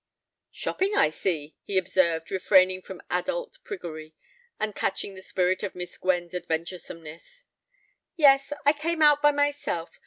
"Shopping, I see," he observed, refraining from adult priggery, and catching the spirit of Miss Gwen's adventuresomeness. "Yes. I came out by myself.